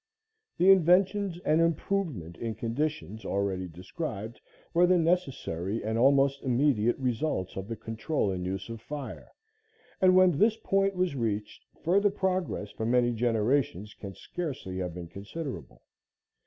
The inventions and improvement in conditions already described were the necessary and almost immediate results of the control and use of fire, and when this point was reached, further progress for many generations can scarcely have been considerable.